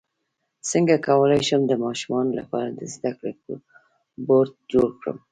څنګه کولی شم د ماشومانو لپاره د زده کړې بورډ جوړ کړم